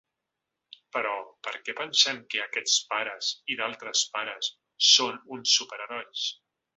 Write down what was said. Però, perquè pensem que aquests pares i d’altres pares són uns superherois?